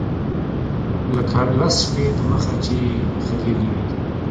لکه لس شپې د مخه چې يې خرييلي وي.